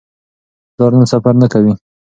پلار نن سفر نه کوي.